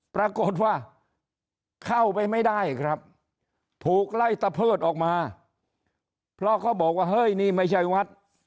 ปรากฏว่าเข้าไปไม่ได้ครับถูกไล่ตะเพิดออกมาเพราะเขาบอกว่าเฮ้ยนี่ไม่ใช่วัด